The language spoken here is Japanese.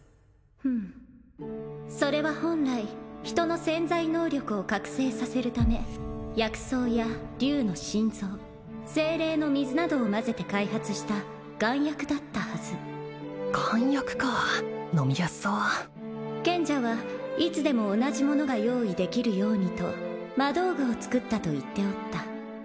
ふむそれは本来人の潜在能力を覚醒させるため薬草や竜の心臓精霊の水などを混ぜて開発した丸薬だったはず丸薬か飲みやすそう賢者はいつでも同じ物が用意できるようにと魔道具を作ったと言っておった